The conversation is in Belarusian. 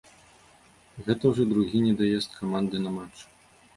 Гэта ўжо другі недаезд каманды на матч.